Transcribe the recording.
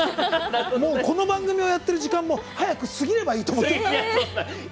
もうこの番組をやってる時間もすぐ過ぎればいいと思っています。